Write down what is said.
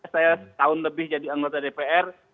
saya setahun lebih jadi anggota dpr